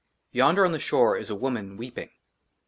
YONDER ON THE SHORE *' IS A WOMAN, WEEPING.